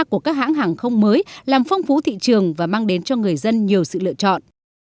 của các hãng hàng không mới làm phong phú thị trường và mang đến cho người dân nhiều sự lựa chọn